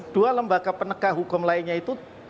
dua lembaga penegak hukum lainnya itu